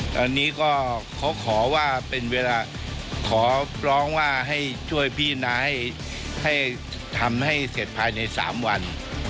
ตอนนี้ก็เขาขอว่าเป็นเวลาขอร้องว่าให้ช่วยพี่นาให้ทำให้เสร็จภายใน๓วัน